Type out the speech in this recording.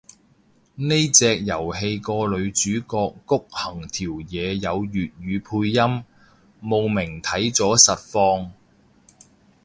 呢隻遊戲個女主角谷恆條嘢有粵語配音，慕名睇咗實況